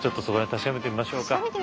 確かめてみましょうか。